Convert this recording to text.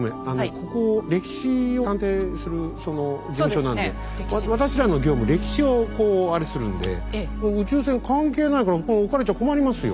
ここ歴史を探偵する事務所なんで私らの業務歴史をこうあれするんで宇宙船関係ないから置かれちゃ困りますよ。